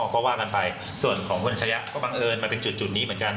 ก็ว่ากันไปส่วนของคุณชะยะก็บังเอิญมาเป็นจุดนี้เหมือนกัน